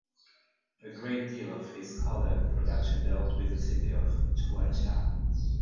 A great deal of his scholar production dealt with the city of Cuenca.